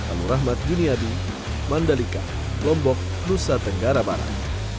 alurahmat jiniadi mandalika lombok nusa tenggara barat